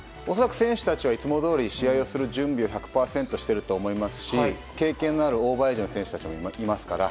選手たちはいつもどおり準備を１００％してると思いますし経験のある大林選手たちもいますからね。